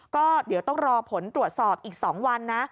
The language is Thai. ก็เดี๋ยวต้องรอผลตรวจสอบอีก๒วันนะ